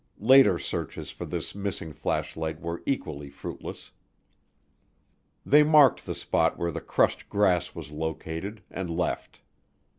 Later searches for this missing flashlight were equally fruitless. They marked the spot where the crushed grass was located and left.